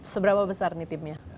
seberapa besar nih timnya